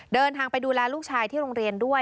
เดินทางไปดูแลลูกชายที่โรงเรียนด้วย